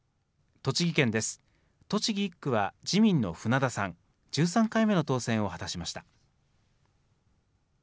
栃木１区は自民の船田さん、１３回目の当選を果たしました。